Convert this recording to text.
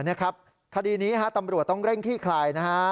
นะครับคดีนี้ตำรวจต้องเร่งขี้คลายนะฮะ